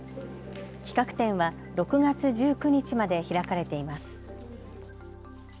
企画展は６月１９日まで開かれています。